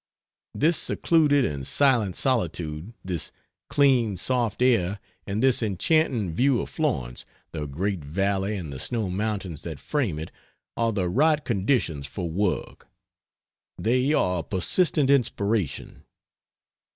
This secluded and silent solitude this clean, soft air and this enchanting view of Florence, the great valley and the snow mountains that frame it are the right conditions for work. They are a persistent inspiration.